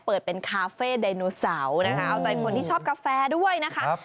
เปิดเป็นคาเฟ่ไดโนเสาใจคนที่ชอบกาแฟด้วยนะคะ